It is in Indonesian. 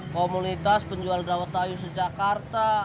komunitas penjual dawet tayu sejak karta